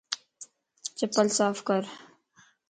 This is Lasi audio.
چپل صاف ڪر